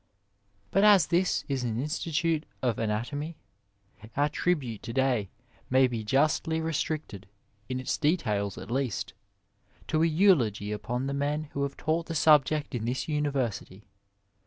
But as this is an Institute of Anatomy, our tribute to day may be justly restricted, in its details at least, to a eulogy upon the men who have taught the subject in this University.